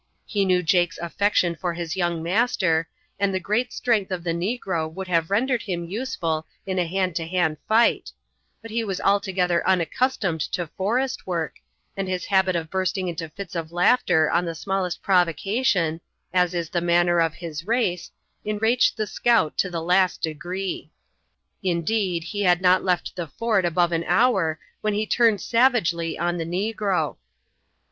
He knew Jake's affection for his young master, and the great strength of the negro would have rendered him useful in a hand to hand fight, but he was altogether unaccustomed to forest work, and his habit of bursting into fits of laughter on the smallest provocation, as is the manner of his race, enraged the scout to the last degree. Indeed, he had not left the fort above an hour when he turned savagely on the negro.